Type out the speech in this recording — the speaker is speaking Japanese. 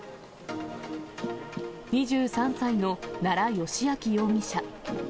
２３歳の奈良幸晃容疑者。